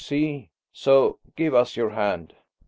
See? So give us your hand."